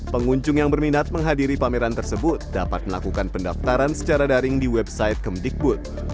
pengunjung yang berminat menghadiri pameran tersebut dapat melakukan pendaftaran secara daring di website kemdikbud